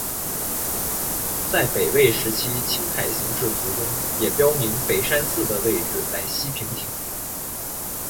在北魏时期青海形势图中也标明北山寺的位置在西平亭。